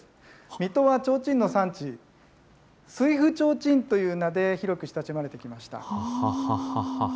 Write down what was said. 水戸はちょうちんの産地、水府提灯という名で、広く親しまれてきました。